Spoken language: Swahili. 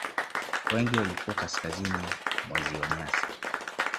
Wengi walikuwa kaskazini mwa ziwa Nyasa